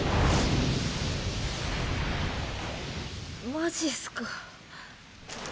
マジっすか。